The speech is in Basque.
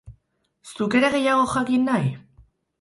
Zuk ere gehiago jakin nahi?